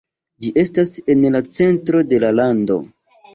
Ĝi estas en la centro de la lando.